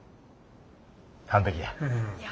完璧や。